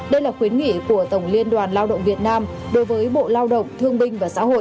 đây là khuyến nghị của tổng liên đoàn lao động việt nam đối với bộ lao động thương binh và xã hội